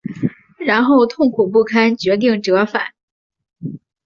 然后痛苦不堪决定折返